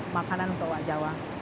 makanan untuk owa jawa